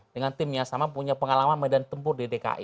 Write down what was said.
dengan tim yang sama punya pengalaman medan tempur di dki